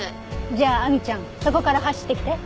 じゃあ亜美ちゃんそこから走ってきて。